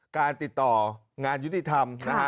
การติดต่องานยุติธรรมนะฮะ